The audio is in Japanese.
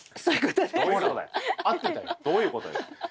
そういうことです。